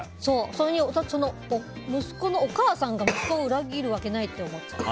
それに息子のお母さんが息子を裏切るわけないって思っちゃう。